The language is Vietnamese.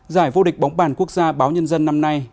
giải vô địch bóng bàn quốc gia báo nhân dân năm nay